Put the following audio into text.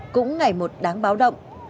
cũng ngày một đáng báo động